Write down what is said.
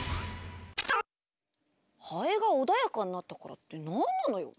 ハエが穏やかになったからって何なのよ。